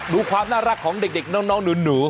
ดูความน่ารักของเด็กน้องหนู